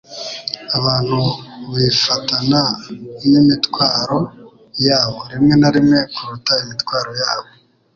Abantu bifatana n'imitwaro yabo rimwe na rimwe kuruta imitwaro yabo.”